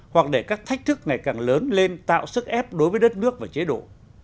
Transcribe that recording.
hoặc để các thách thức ngày càng lớn lên tạo sức ép đối với đất nước và chế độ